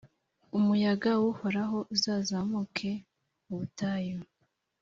umuyaga w’Uhoraho uzazamuke mu butayu,